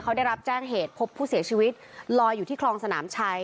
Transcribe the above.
เขาได้รับแจ้งเหตุพบผู้เสียชีวิตลอยอยู่ที่คลองสนามชัย